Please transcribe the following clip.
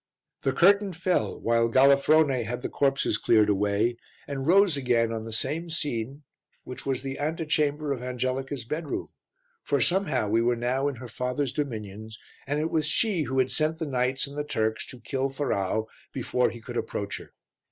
The curtain fell, while Galafrone had the corpses cleared away, and rose again on the same scene which was the ante chamber of Angelica's bedroom for somehow we were now in her father's dominions, and it was she who had sent the knights and the Turks to kill Ferrau before he could approach her.